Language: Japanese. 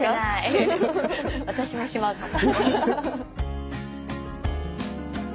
私はしまうかも。